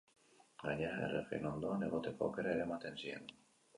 Gainera erregeen ondoan egoteko aukera ere ematen zien.